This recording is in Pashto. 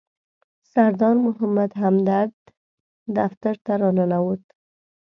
سردار محمد همدرد دفتر ته راننوت.